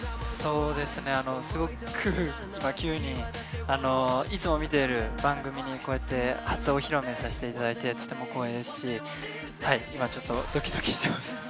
すごく９人、いつも見ている番組にこうやって初お披露目させていただいて、とても光栄ですし、今ちょっとドキドキしてます。